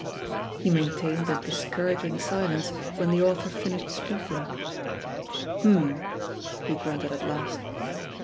He maintained a discouraging silence when the author finished speaking. ... *'Humphl" he grunted at last.